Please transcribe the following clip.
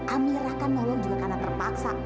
amira kan nolong juga karena terpaksa